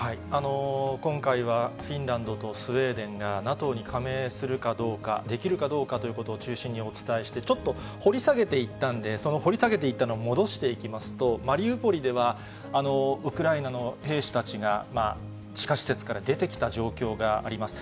今回は、フィンランドとスウェーデンがＮＡＴＯに加盟するかどうか、できるかどうかということを中心にお伝えして、ちょっと掘り下げていったんで、その掘り下げていったのを戻していきますと、マリウポリでは、ウクライナの兵士たちが、地下施設から出てきた状況があります。